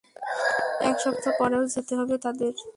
এক সপ্তাহ পরেও যেতে হবে তাদের।